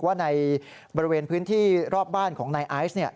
ว่าในบริเวณพื้นที่รอบบ้านของนายไอซ์เนี่ย